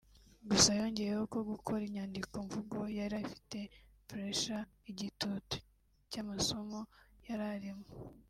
Gusa yongeyeho ko mu gukora inyandiko mvugo yari afite ‘Pressure’ (igitutu) cy’amasomo yari arimo